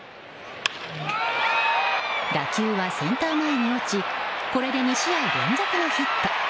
打球はセンター前に落ちこれで２試合連続のヒット。